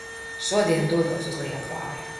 Šodien dodos uz Liepāju.